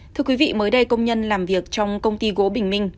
thưa quý vị mới đây công nhân làm việc trong công ty gỗ bình minh